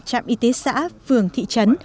trạm y tế xã vườn thị trấn